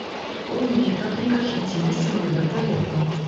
О не, так не кажыце, месца маё да парога.